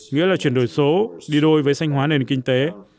nghĩa là chuyển đổi số đi đôi với sanh hóa nền kinh tế